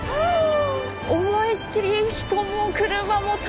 思いっきり人も車も通ってる！